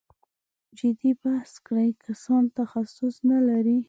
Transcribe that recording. جدي بحث کړی کسان تخصص نه لري.